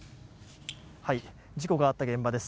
事故があった現場です。